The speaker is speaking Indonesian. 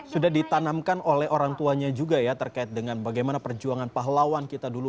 sudah ditanamkan oleh orang tuanya juga ya terkait dengan bagaimana perjuangan pahlawan kita dulu